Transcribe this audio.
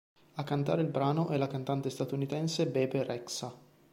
A cantare il brano è la cantante statunitense Bebe Rexha.